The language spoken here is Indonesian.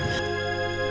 aku mau kasih anaknya